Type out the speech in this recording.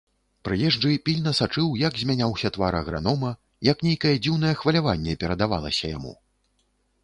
Прыезджы пільна сачыў, як змяняўся твар агранома, як нейкае дзіўнае хваляванне перадавалася яму.